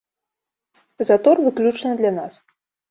Затор выключна для нас.